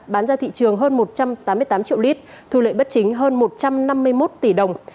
bán ra thị trường hơn một trăm tám mươi tám triệu lít thu lợi bất chính hơn một trăm năm mươi một tỷ đồng